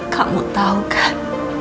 kamu tau kan